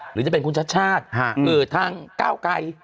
หรือจะเป็นคุณชาติชาติทางก้าวไกร